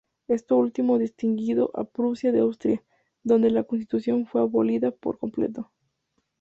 Esto último distinguió a Prusia de Austria, donde la constitución fue abolida por completo.